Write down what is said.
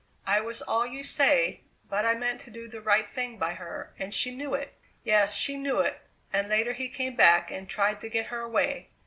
I was all you say, but I meant to do the right thing by her, and she knew it! Yes, she knew it, and later he came back and tried to get her away.